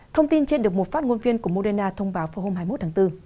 thông tin trên được một phát ngôn viên của moderna thông báo vào hôm hai mươi một tháng bốn